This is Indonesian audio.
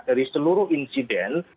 dari seluruh insiden